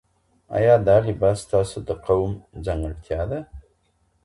ایا دا لباس ستاسو د قوم ځانګړتیا ده؟